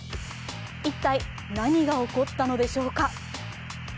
一体、何が起こったのでしょうか。